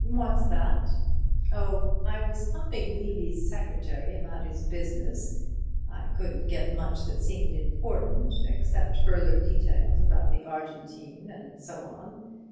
"What's that?" "Oh, I was pumping Levy's secretary about his business. I couldn't get much that seemed important except further details about the Argentine and so on.